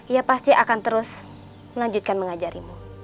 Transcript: ia pasti akan terus melanjutkan mengajarimu